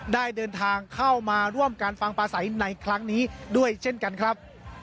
ได้เดินทางเข้ามาร่วมการฟังปลาใสในครั้งนี้ด้วยเช่นกันครับ